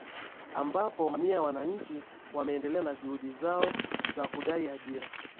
ambapo mamia ya wananchi wameendelea na juhudi zao za kudai ajira